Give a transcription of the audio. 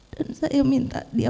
dan saya minta dia